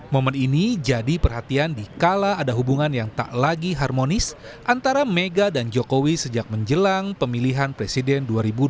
momen ini jadi perhatian dikala ada hubungan yang tak lagi harmonis antara mega dan jokowi sejak menjelang pemilihan presiden dua ribu dua puluh